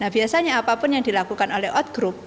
biasanya apapun yang dilakukan oleh out group